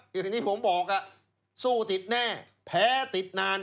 อย่างที่ผมบอกสู้ติดแน่แพ้ติดนาน